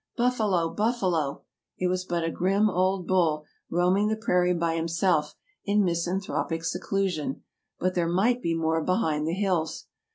" Buffalo! buffalo! " It was but a grim old bull, roam ing the prairie by himself in misanthropic seclusion; but there might be more behind the hills.